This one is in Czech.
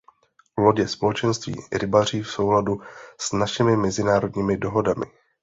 Lodě Společenství rybaří v souladu s našimi mezinárodními dohodami.